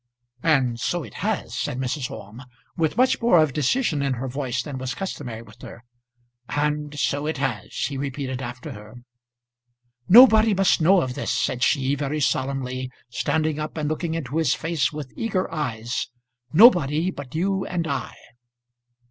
"And so it has," said Mrs. Orme, with much more of decision in her voice than was customary with her. "And so it has," he repeated after her. "Nobody must know of this," said she very solemnly, standing up and looking into his face with eager eyes. "Nobody but you and I."